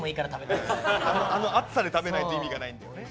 あの熱さで食べないと意味がないんだよね。